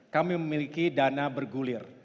kami memiliki dana bergulir